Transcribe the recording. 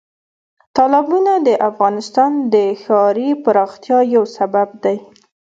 تالابونه د افغانستان د ښاري پراختیا یو سبب دی.